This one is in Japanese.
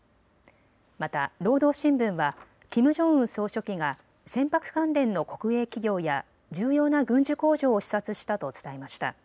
また労働新聞はキム・ジョンウン総書記が船舶関連の国営企業や重要な軍需工場を視察したと伝えました。